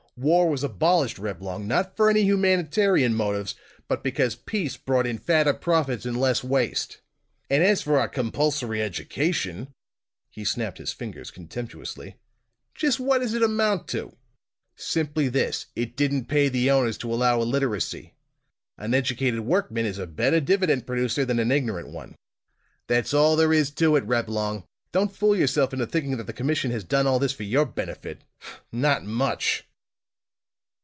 War was abolished, Reblong, not for any humanitarian motives, but because peace brought in fatter profits and less waste. "And as for our compulsory education" he snapped his fingers contemptuously "just what does it amount to? Simply this: it didn't pay the owners to allow illiteracy! An educated workman is a better dividend producer than an ignorant one. That's all there is to it, Reblong! Don't fool yourself into thinking that the commission has done all this for your benefit! Not much!"